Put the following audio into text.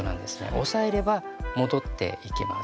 押さえれば戻っていきます。